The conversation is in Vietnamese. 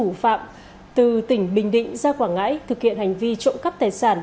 thủ phạm từ tỉnh bình định ra quảng ngãi thực hiện hành vi trộm cắp tài sản